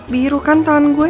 biru kan tangan gue